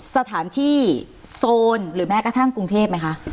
สถานที่โซนหรือแม้กระทั่งกรุงเทพไหมคะ